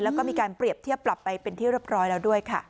แล้วก็มีการเปรียบเทียบปรับไปเป็นที่เรียบร้อยแล้วด้วยค่ะ